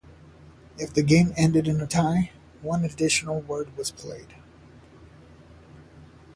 If the game ended in a tie, one additional word was played.